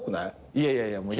いやいやいやもう。